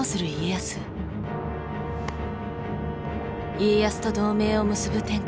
家康と同盟を結ぶ天下人